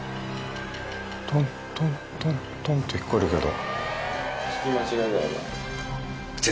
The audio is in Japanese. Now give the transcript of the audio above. トントントントンって聞こえるけど。